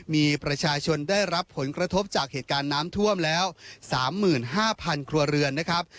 มีประชาชนได้รับผลกระทบจากเหตุการณ์น้ำท่วมแล้ว๓๕๐๐ครัวเรือนนะครับ